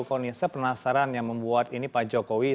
kau nisa penasaran yang membuat ini pak jokowi